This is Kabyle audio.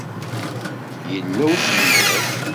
Illa usemmiḍ